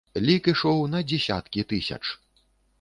Лік ішоў на дзесяткі тысяч.